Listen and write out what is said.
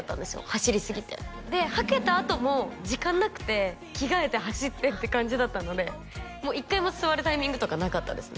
走りすぎてではけたあとも時間なくて着替えて走ってって感じだったのでもう一回も座るタイミングとかなかったですね